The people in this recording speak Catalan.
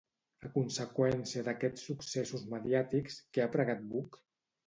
A conseqüència d'aquests successos mediàtics, què ha pregat Buch?